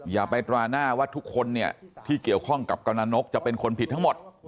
อย่าไปตราหน้าว่าทุกคนเนี่ยที่เกี่ยวข้องกับกำลังนกจะเป็นคนผิดทั้งหมด